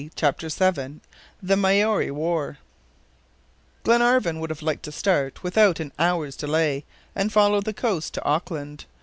CHAPTER VII THE MAORI WAR GLENARVAN would have liked to start without an hour's delay, and follow the coast to Auckland.